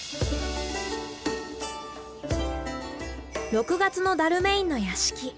６月のダルメインの屋敷。